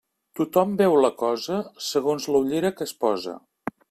Tothom veu la cosa segons la ullera que es posa.